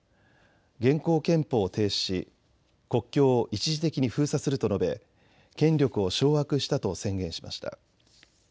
現行憲法を停止し国境を一時的に封鎖すると述べ権力を掌握したと宣言しました。